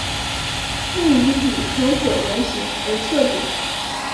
本鱼体呈椭圆形而侧扁。